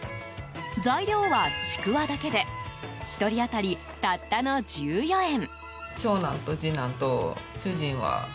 材料は、ちくわだけで１人当たり、たったの１４円。